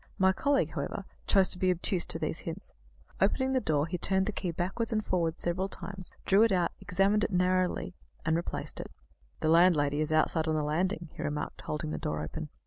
My colleague, however, chose to be obtuse to these hints: opening the door, he turned the key backwards and forwards several times, drew it out, examined it narrowly, and replaced it. "The landlady is outside on the landing," he remarked, holding the door open.